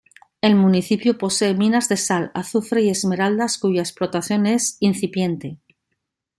El municipio posee minas de sal, azufre y esmeraldas cuya explotación es incipiente.